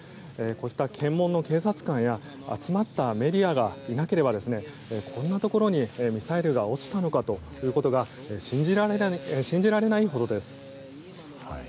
こうした検問の警察官や集まったメディアがいなければこんなところにミサイルが落ちたのかということが信じられないほどです。